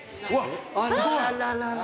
あらららら！